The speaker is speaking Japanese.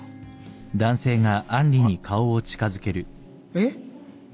えっ？